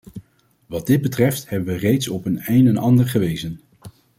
Wat dit betreft hebben we reeds op een en ander gewezen.